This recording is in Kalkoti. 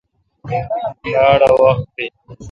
باڑ اؘ وحت بیل۔